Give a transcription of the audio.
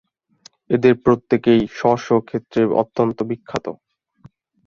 এদের প্রত্যেকেই স্ব-স্ব ক্ষেত্রে অত্যন্ত বিখ্যাত।